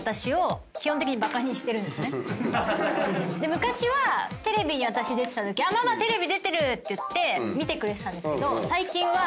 昔はテレビに私出てたとき「ママテレビ出てる！」って言って見てくれてたんですけど最近は。